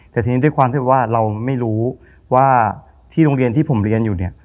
แต่ทีนี้ด้วยความที่ว่าเราไม่รู้ว่าที่โรงเรียนที่ผมเรียนอยู่เนี่ย